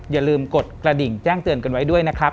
อย่าลืมกดกระดิ่งแจ้งเตือนกันไว้ด้วยนะครับ